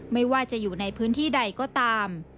ไม่ว่าจะอยู่ในพื้นที่ใดก็ตาม